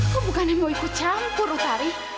kau bukan yang mau ikut campur utari